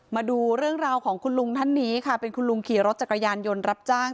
มาดูเรื่องราวของคุณลุงท่านนี้ค่ะเป็นคุณลุงขี่รถจักรยานยนต์รับจ้าง